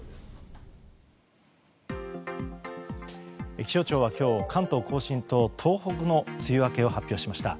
気象庁は今日関東・甲信と東北の梅雨明けを発表しました。